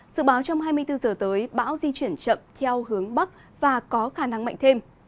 sự báo trong hai mươi bốn giờ tới bão di chuyển chậm theo hướng bắc và có khả năng mạnh thêm